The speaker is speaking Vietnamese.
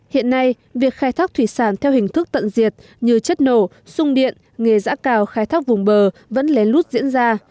hiện nay việc khai thác thủy sản theo hình thức tận diệt như chất nổ xung điện nghề giả cao khai thác vùng bờ vẫn lén lút diễn ra